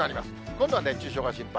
今度は熱中症が心配。